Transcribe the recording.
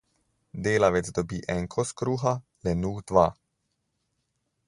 Delavec dobi en kos kruha, lenuh dva.